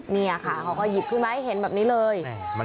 นี่ค่ะเขาก็หยิบขึ้นมาให้เห็นแบบนี้เลย